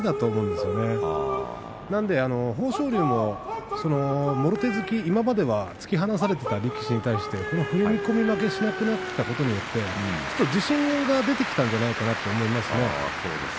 ですから豊昇龍も、もろ手突き今まで突き放されていた力士に踏み込み負けしなくなったことによって自信が出てきたんじゃないかなと思いますね。